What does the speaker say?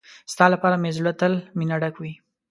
ستا لپاره مې زړه تل مينه ډک وي.